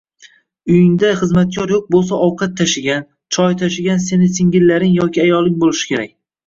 Uyingda xizmatkor yoʻq boʻlsa ovqat tashigan, choy tashigan seni singillaring yoki ayoling boʻlishi kerak.